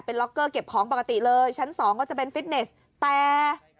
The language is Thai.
ล็อกเกอร์เก็บของปกติเลยชั้นสองก็จะเป็นฟิตเนสแต่